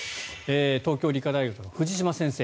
東京理科大学の藤嶋先生。